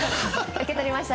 受け取りました